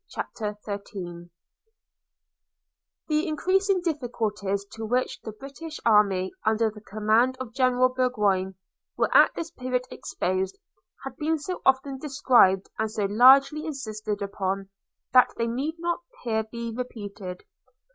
CHAPTER XIII THE increasing difficulties to which the British army, under the command of General Burgoyne, were at this period exposed, have been so often described, and so largely insisted upon, that they need not here be repeated.